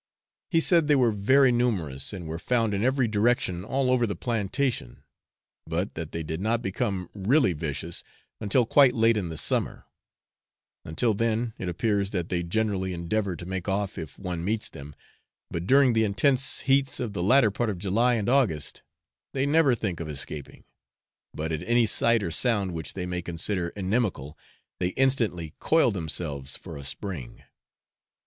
He said they were very numerous, and were found in every direction all over the plantation, but that they did not become really vicious until quite late in the summer; until then, it appears that they generally endeavour to make off if one meets them, but during the intense heats of the latter part of July and August they never think of escaping, but at any sight or sound which they may consider inimical, they instantly coil themselves for a spring.